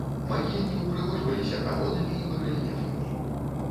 Магільні упрыгожваліся калонамі і барэльефамі.